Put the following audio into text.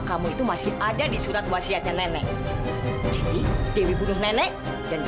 sampai jumpa di video selanjutnya